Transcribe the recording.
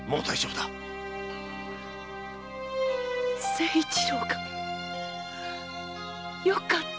清一郎がよかった。